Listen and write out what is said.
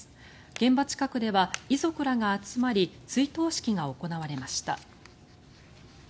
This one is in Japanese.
現場近くでは遺族らが集まり追悼式が行われました。